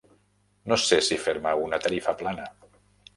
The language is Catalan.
No sé si fer-me una tarifa plana.